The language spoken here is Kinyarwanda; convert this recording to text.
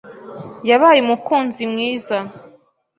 Yabaye umukunzi mwiza